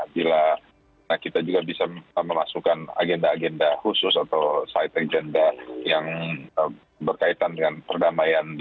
bila kita juga bisa memasukkan agenda agenda khusus atau site agenda yang berkaitan dengan perdamaian di ukraine rusia